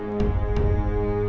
aku mau nyuruh mama